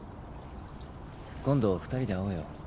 今度２人で会おうよ。